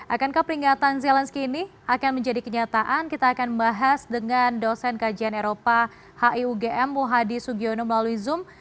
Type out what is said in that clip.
akankah peringatan zelensky ini akan menjadi kenyataan kita akan membahas dengan dosen kajian eropa hiugm muhadi sugiono melalui zoom